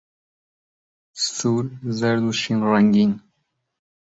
سوور، زەرد، و شین ڕەنگن.